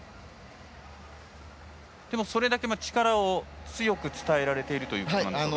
でも、それだけ力を強く伝えられているということでしょうか。